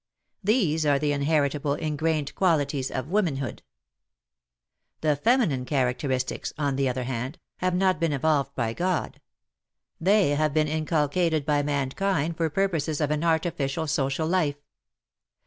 These are the inheritable, ingrained qtialities of wo?nanhood. The feminine characteristics, on the other WAR AND WOMEN 32^ hand, have not been evolved by God, — they have been inculcated by mankind for purposes of an artificial social life.